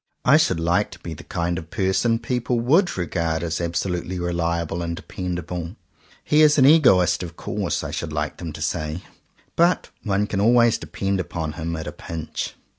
I should like to be the kind of person people would regard as absolutely reliable and dependable. "He is an egoist, of course," I should like them to say, "but one can always depend upon him at a pinch."